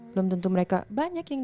belum tentu mereka banyak yang